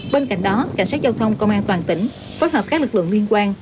bên cạnh đó cảnh sát giao thông công an toàn tỉnh phối hợp các lực lượng liên quan